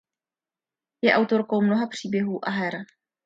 Je autorkou mnoha příběhů a her.